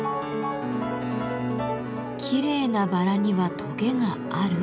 きれいなバラにはトゲがある？